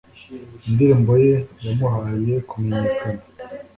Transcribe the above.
Indirimbo ye yamuhaye kumenyekana